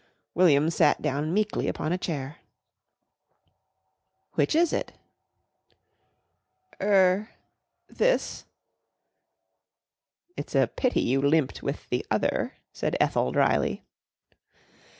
William sat down meekly upon a chair. "Which is it?" "Er this." "It's a pity you limped with the other," said Ethel drily.